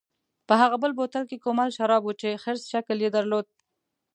په هغه بل بوتل کې کومل شراب و چې خرس شکل یې درلود.